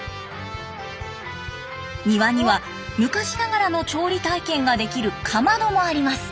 庭には昔ながらの調理体験ができるかまどもあります。